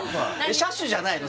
車種じゃないの？